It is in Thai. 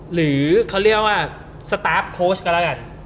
หรือเขาเรียกว่าสตาร์ฟโค้ชก็แล้วกัน